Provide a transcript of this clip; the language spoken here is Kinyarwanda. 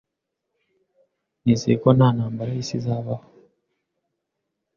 Nizeye ko nta ntambara y'isi izabaho.